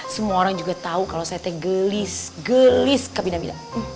semua orang juga tau kalau saya teh gelis gelis kebina bina